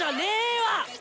は！